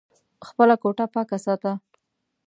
خپله کوټه پاکه ساته !